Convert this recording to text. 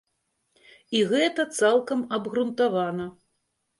І гэта цалкам абгрунтавана.